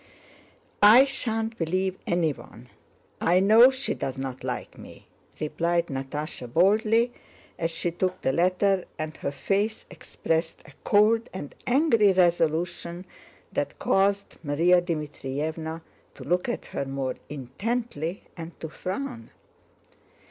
"I shan't believe anyone, I know she doesn't like me," replied Natásha boldly as she took the letter, and her face expressed a cold and angry resolution that caused Márya Dmítrievna to look at her more intently and to frown.